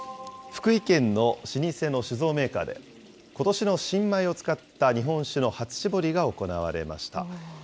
福井県の老舗の酒造メーカーで、ことしの新米を使った日本酒の初しぼりが行われました。